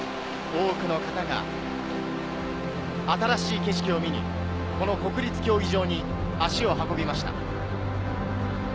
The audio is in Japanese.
多くの方が新しい景色を見に、この国立競技場に足を運びました。